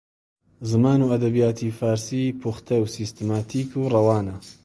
زمان و ئەدەبیاتی فارسی پوختە و سیستەماتیک و ڕەوانە